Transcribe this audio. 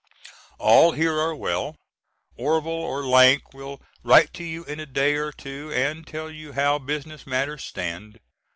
All here are well. Orvil or Lank will write to you in a day or two and tell you how business matters stand.